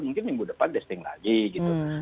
mungkin minggu depan testing lagi gitu